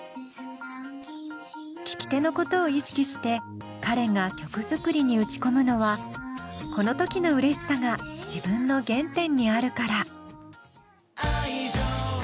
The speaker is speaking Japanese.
聴き手のことを意識して彼が曲作りに打ち込むのはこの時のうれしさが自分の原点にあるから。